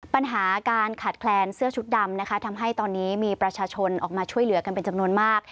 ปัญหาการขาดแคลนเสื้อชุดดำนะคะทำให้ตอนนี้มีประชาชนออกมาช่วยเหลือกันเป็นจำนวนมาก